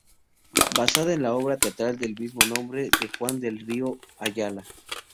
Basada en la obra teatral del mismo nombre de Juan del Río Ayala.